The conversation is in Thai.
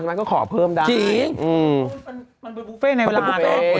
ก็ขอเพิ่มด้านแหละนะครับเนี่ยใช่มันบุฟเฟ่ในโลกลาสนะบุฟเฟ่